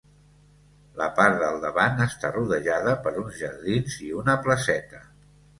La part del davant està rodejada per uns jardins i una placeta.